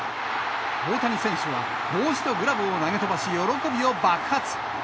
大谷選手は、帽子とグラブを投げ飛ばし、喜びを爆発。